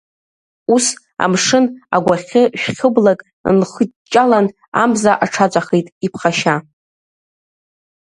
Ус, амшын агәахьы шәхьыблак нхыҷҷалан, амза аҽаҵәахит иԥхашьа.